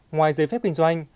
ngoài giấy phép kinh doanh